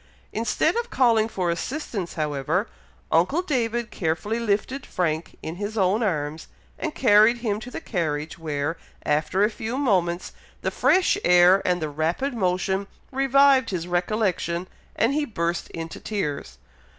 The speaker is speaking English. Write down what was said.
Instead of calling for assistance, however, uncle David carefully lifted Frank in his own arms, and carried him to the carriage, where, after a few moments, the fresh air, and the rapid motion revived his recollection, and he burst into tears.